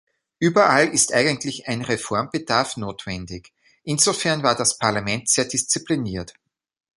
Überall ist eigentlich ein Reformbedarf notwendig; insofern war das Parlament sehr diszipliniert.